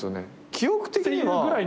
記憶的には。